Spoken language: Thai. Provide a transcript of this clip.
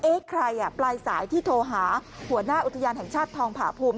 ใครอ่ะปลายสายที่โทรหาหัวหน้าอุทยานแห่งชาติทองผาภูมิ